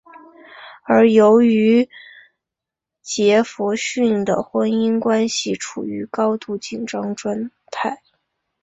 而由于杰佛逊的婚姻关系处于高度紧张状态。